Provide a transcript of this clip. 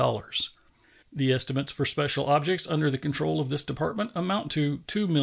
The estimates for special objects under the control of this Department amount to $2,684,220.